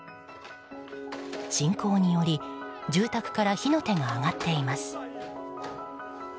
侵攻により住宅から火の手が上がっています。